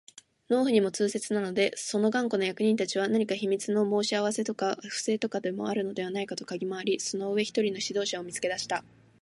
農夫にも痛切なので、その頑固な役人たちは何か秘密の申し合せとか不正とかでもあるのではないかとかぎ廻り、その上、一人の指導者を見つけ出した